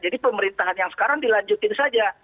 jadi pemerintahan yang sekarang dilanjutin saja